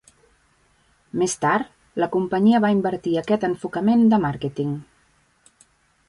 Més tard, la companyia va invertir aquest enfocament de màrqueting.